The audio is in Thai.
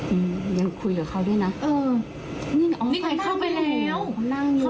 อืมยังคุยกับเขาด้วยนะเออนี่ไงเขานั่งอยู่เขานั่งอยู่